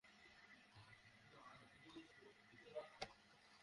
লিনেটের সাথে সাক্ষাতের পর জ্যাকির প্রতি সেই ভালোবাসার ছিটেফোঁটারও আর অস্তিত্ব নেই!